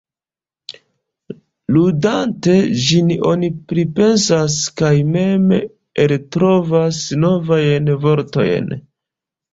Ludante ĝin oni pripensas kaj mem eltrovas novajn vortojn.